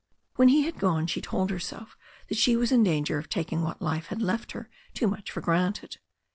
When he had gone she told herself that she was in danger of taking what life had left her too much for granted.